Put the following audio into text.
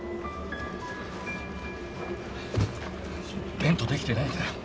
ベントできてないんだ